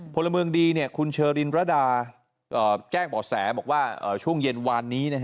พลเมืองดีคุณเชอรินรดาแจ้งบ่อแสบอกว่าช่วงเย็นวานนี้